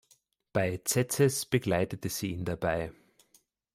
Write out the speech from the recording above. Bei Tzetzes begleitet sie ihn dabei.